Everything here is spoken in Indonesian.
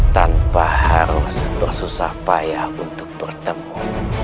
tanpa harus bersusah payah untuk bertemu